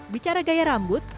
bicara gaya rambut